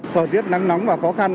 thời tiết nắng nóng và khó khăn